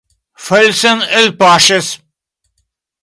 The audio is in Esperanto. Felsen elpaŝis.